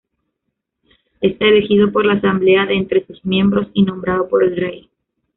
Es elegido por la Asamblea de entre sus miembros y nombrado por el Rey.